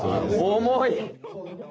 重い。